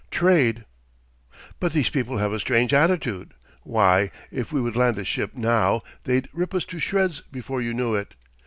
Trade. "But these people have a strange attitude. Why, if we would land a ship now, they'd rip us to shreds before you knew it.